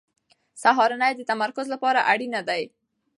سهارنۍ د تمرکز لپاره اړینه ده.